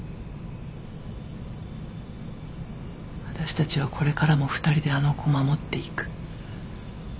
私たちはこれからも２人であの子を守っていく。